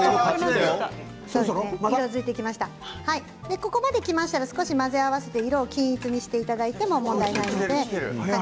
ここまできたら混ぜ合わせて色を均一にしていただいても問題ありません。